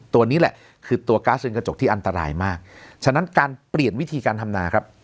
ตัวนี้แหละคือตัวก๊าซเป็นกระจกที่อันตรายมากฉะนั้นการเปลี่ยนวิธีการทำนาครับ